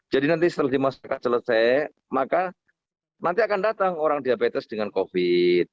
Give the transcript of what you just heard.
jadi nanti setelah dimaksudkan selesai maka nanti akan datang orang diabetes dengan covid